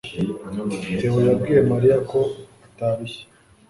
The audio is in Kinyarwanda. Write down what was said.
theo yabwiye mariya ko atarushye